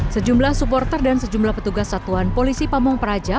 sejumlah supporter dan sejumlah petugas satuan polisi pamung praja